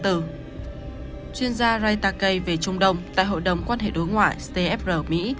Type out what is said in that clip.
trong đêm một mươi ba tháng bốn chuyên gia ray takei về trung đông tại hội đồng quan hệ đối ngoại cfr mỹ